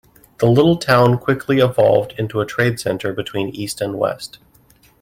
The little town quickly evolved into a trade center between east and west.